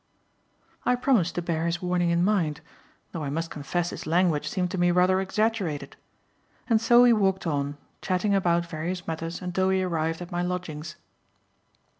I promised to bear his warning in mind, though I must confess his language seemed to me rather exaggerated; and so we walked on, chatting about various matters until we arrived at my lodgings.